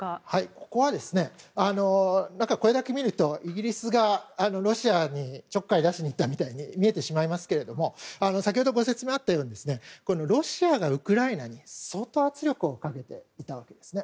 ここは、これだけ見るとイギリスがロシアにちょっかいを出しに行ったみたいに見えてしまいますが先ほど、ご説明があったようにロシアが、ウクライナに相当、圧力をかけていたんですね。